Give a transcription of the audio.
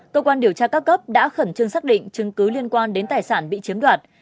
cơ quan điều tra các cấp đã khẩn trương xác định chứng cứ liên quan đến tài sản bị chiếm đoạt